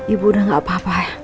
ibu udah gak apa apa